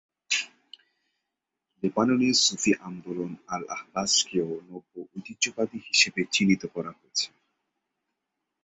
লেবাননীয় সুফি আন্দোলন আল-আহবাশকেও নব্য-ঐতিহ্যবাদী হিসেবে চিহ্নিত করা হয়েছে।